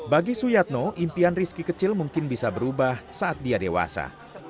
bagi suyatno impian rizky kecil mungkin bisa berubah saat dia dewasa